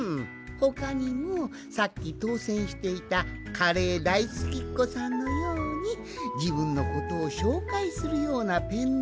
ほかにもさっきとうせんしていたカレー大好きっこさんのようにじぶんのことをしょうかいするようなペンネームもいいかもしれんな。